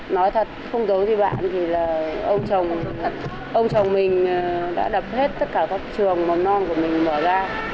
nói thật không giống như bạn thì là ông chồng mình đã đập hết tất cả các trường màu non của mình mở ra